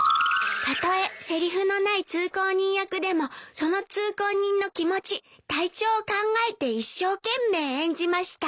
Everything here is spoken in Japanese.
「たとえせりふのない通行人役でもその通行人の気持ち体調を考えて一生懸命演じました」か。